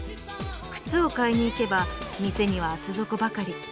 靴を買いに行けば店には厚底ばかり。